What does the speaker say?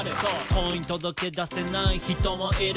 「婚姻届出せない人もいる」